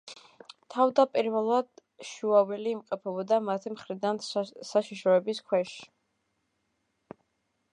თავდაპირველად შუაველი იმყოფებოდა მათი მხრიდან საშიშროების ქვეშ.